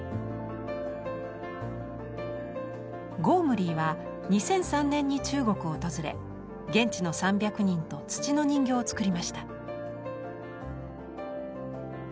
ゴームリーは２００３年に中国を訪れ現地の３００人と土の人形を作りました。